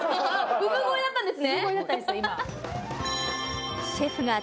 産声だったんですよ